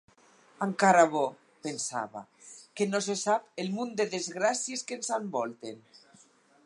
Encara bo, pensava, que no sap el munt de desgràcies que ens envolten.